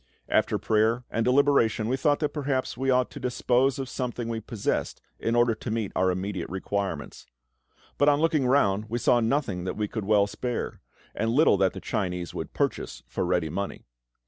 After prayer and deliberation we thought that perhaps we ought to dispose of something we possessed in order to meet our immediate requirements. But on looking round we saw nothing that we could well spare, and little that the Chinese would purchase for ready money.